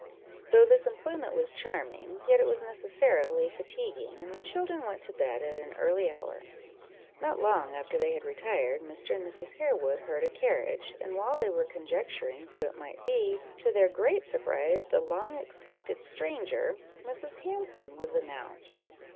Though this employment was charming, yet it was necessarily fatiguing, and the children went to bed at an early hour. Not long after they had retired, Mr. and Mrs. Harewood heard a carriage, and while they were conjecturing who it might be, to their great surprise, the long expected stranger, Mrs. Hanson, was announced.